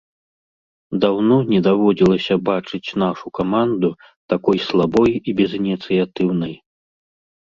Даўно не даводзілася бачыць нашу каманду такой слабой і безыніцыятыўнай.